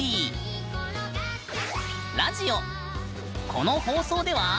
この放送では。